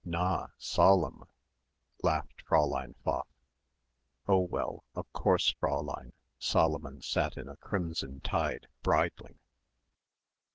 "Na, Solemn," laughed Fräulein Pfaff. "Oh well, of course, Fräulein." Solomon sat in a crimson tide, bridling.